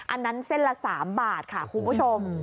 อันนั้นเส้นละ๓บาทค่ะคุณผู้ชม